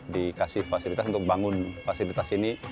dikasih fasilitas untuk bangun fasilitas ini